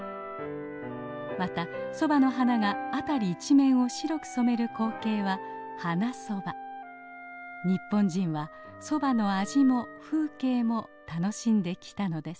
またソバの花が辺り一面を白く染める光景は日本人はソバの味も風景も楽しんできたのです。